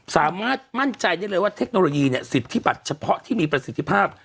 สามารถมั่นใจได้เลยว่าเทคโนโลยีสิทธิบัตรเฉพาะที่มีประสิทธิภาพ